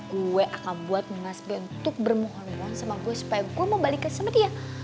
gue akan buat masbe untuk bermohon mohon sama gue supaya gue mau balikin sama dia